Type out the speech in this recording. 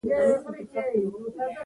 ډېری بهرني ادارې په ډالرو توکي رانیسي.